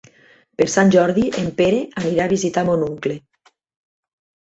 Per Sant Jordi en Pere anirà a visitar mon oncle.